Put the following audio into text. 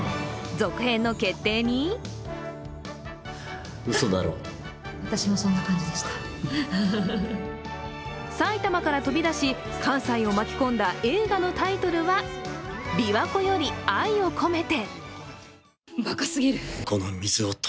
続編の決定に埼玉から飛び出し、関西を巻き込んだ映画のタイトルは「琵琶湖より愛をこめて」。